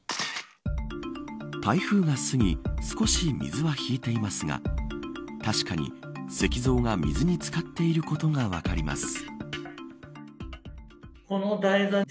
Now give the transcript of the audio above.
台風が過ぎ少し水は引いていますが確かに石像が水につかっていることが分かります。